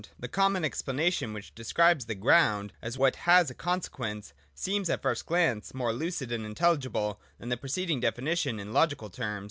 The common ex planation, which describes the ground as what has a conse quence, seems at the first glance more lucid and intelligible than the preceding definition in logical terms.